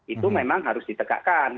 itu memang harus ditegakkan